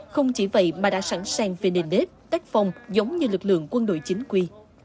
không chỉ vậy mà đã sẵn sàng về nền đếp tách phòng giống như lực lượng quân đội chính quy